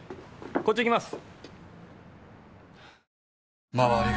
こっち行きます。